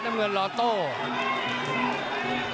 นับเงินลอโต๊ะ